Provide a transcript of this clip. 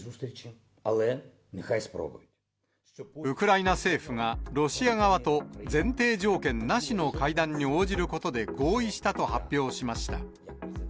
ウクライナ政府が、ロシア側と前提条件なしの会談に応じることで合意したと発表しました。